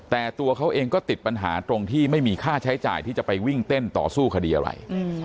แต่ตัวเขาเองก็ติดปัญหาตรงที่ไม่มีค่าใช้จ่ายที่จะไปวิ่งเต้นต่อสู้คดีอะไร